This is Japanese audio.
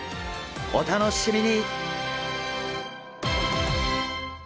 お楽しみに！